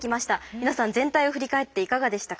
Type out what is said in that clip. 皆さん全体を振り返っていかがでしたか？